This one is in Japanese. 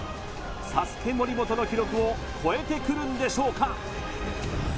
森本の記録を超えてくるんでしょうか？